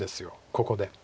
ここで。